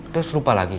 terus lupa lagi nga